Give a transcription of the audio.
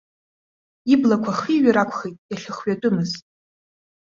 Иблақәа хиҩар акәхеит иахьыхҩатәымыз.